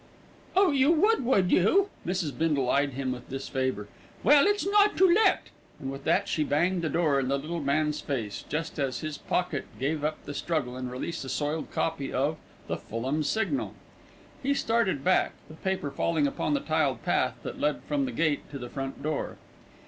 "Oh! you would, would you?" Mrs. Bindle eyed him with disfavour. "Well, it's not to let," and with that she banged the door in the little man's face, just as his pocket gave up the struggle and released a soiled copy of The Fulham Signal. He started back, the paper falling upon the tiled path that led from the gate to the front door.